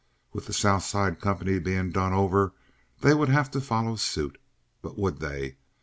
With the South Side company being done over, they would have to follow suit. But would they?